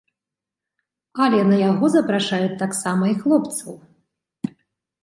Але на яго запрашаюць таксама і хлопцаў.